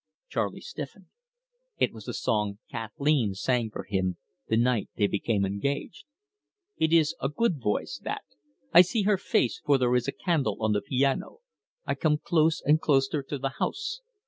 Charley stiffened. It was the song Kathleen sang for him the night they became engaged. "It is a good voice that. I see her face, for there is a candle on the piano. I come close and closter to the house.